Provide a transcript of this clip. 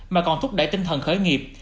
mà còn thúc đẩy tinh thần khởi nghiệp